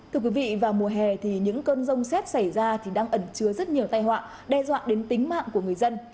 thưa quý vị vào mùa hè thì những cơn rông xét xảy ra thì đang ẩn chứa rất nhiều tai họa đe dọa đến tính mạng của người dân